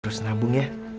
terus nabung ya